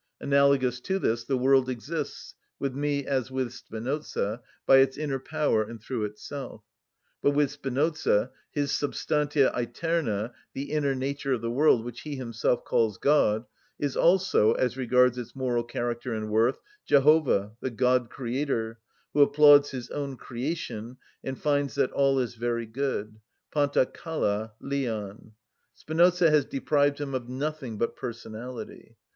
Analogous to this, the world exists, with me as with Spinoza, by its inner power and through itself. But with Spinoza his substantia æterna, the inner nature of the world, which he himself calls God, is also, as regards its moral character and worth, Jehovah, the God‐Creator, who applauds His own creation, and finds that all is very good, παντα καλα λιαν. Spinoza has deprived Him of nothing but personality.